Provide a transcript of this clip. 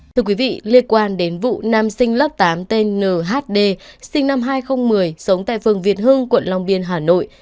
thưa quý vị liên quan đến vụ nam sinh lớp tám tên nhd sinh năm hai nghìn một mươi sống tại phường việt hưng quận long biên hà nội